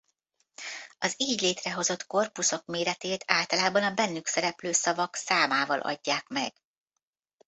Az így létrehozott korpuszok méretét általában a bennük szereplő szavak számával adják meg.